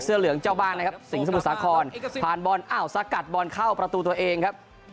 เหลืองเจ้าบ้านนะครับสิงสมุทรสาครผ่านบอลอ้าวสกัดบอลเข้าประตูตัวเองครับ